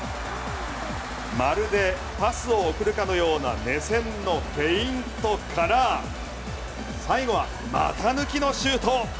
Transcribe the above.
まるでパスを送るかのような目線のフェイントから最後は股抜きのシュート。